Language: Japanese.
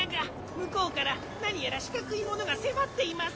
むこうからなにやらしかくいものがせまっています！